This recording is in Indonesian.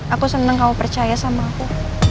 aku senang kamu percaya sama aku